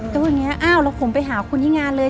ก็พูดอย่างนี้อ้าวแล้วผมไปหาคุณที่งานเลย